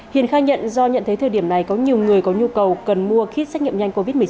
hiền khai nhận do nhận thấy thời điểm này có nhiều người có nhu cầu cần mua kit xét nghiệm nhanh covid một mươi chín